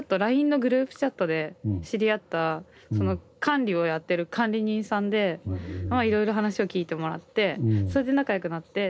ＬＩＮＥのグループチャットで知り合ったその管理をやってる管理人さんでまあいろいろ話を聞いてもらってそれで仲良くなって。